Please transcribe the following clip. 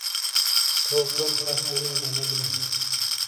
تھو کروم پھݜ بیلوں دا نے بلوں؟